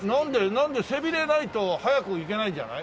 なんで背びれないと速く行けないんじゃない？